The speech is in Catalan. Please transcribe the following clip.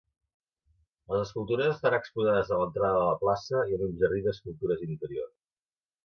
Les escultures estan exposades a l'entrada de la plaça i en un jardí d'escultures interior.